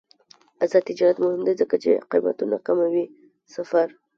آزاد تجارت مهم دی ځکه چې قیمتونه کموي سفر.